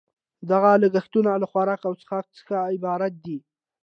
دغه لګښتونه له خوراک او څښاک څخه عبارت دي